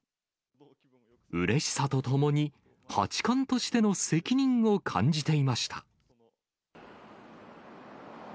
うれしさとともに、八冠としての責任を感じていました。